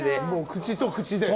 口と口で。